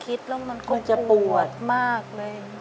คิดแล้วมันก็ปวดมากเลย